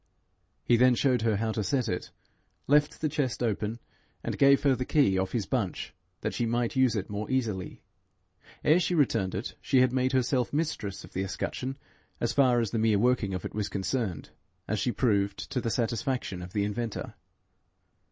He then showed her how to set it, left the chest open, and gave her the key off his bunch that she might use it more easily. Ere she returned it, she had made herself mistress of the escutcheon as far as the mere working of it was concerned, as she proved to the satisfaction of the inventor.